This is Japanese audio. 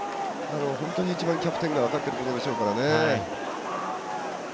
本当に一番、キャプテンが分かっているでしょうからね。